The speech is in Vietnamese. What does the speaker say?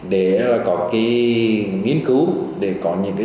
để có nghiên cứu để có những sản phẩm